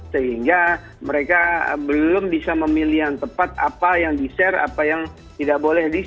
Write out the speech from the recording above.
sehingga mereka belum bisa memilih yang tepat apa yang dishare apa yang tidak boleh dishare